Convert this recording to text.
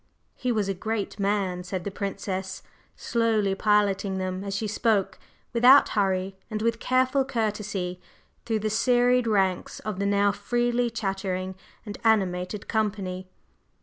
"He was a great man," said the Princess, slowly piloting them as she spoke, without hurry and with careful courtesy, through the serried ranks of the now freely chattering and animated company.